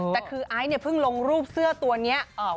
แต่คือไอซ์เนี่ยเพิ่งลงรูปเสื้อตัวนี้